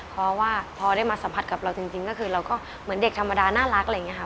เพราะว่าพอได้มาสัมผัสกับเราจริงก็คือเราก็เหมือนเด็กธรรมดาน่ารักอะไรอย่างนี้ค่ะ